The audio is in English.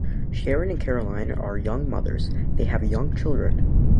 Sharon and Caroline are young mothers, they have young children.